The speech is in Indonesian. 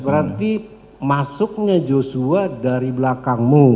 berarti masuknya joshua dari belakangmu